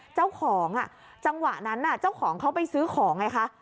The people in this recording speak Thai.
จังหวะนั้นเจ้าของเขาไปซื้อของไงคะ